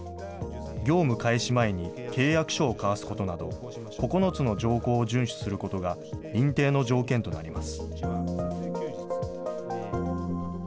業務開始前に契約書を交わすことなど、９つの条項を順守することが認定の条件となります。